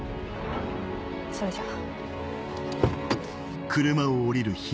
それじゃあ。